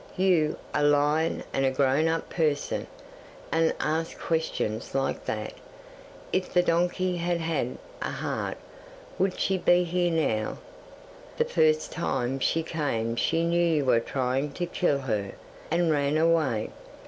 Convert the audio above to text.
"You, a lion and a grown up person, and ask questions like that. If the donkey had had a heart would she be here now? The first time she came she knew you were trying to kill her, and ran away.